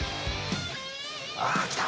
あっ来た。